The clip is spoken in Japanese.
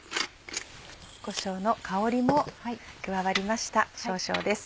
コショウの香りも加わりました少々です。